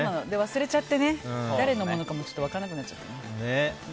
忘れちゃって誰のかも分からなくなったり。